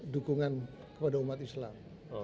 dukungan kepada umat islam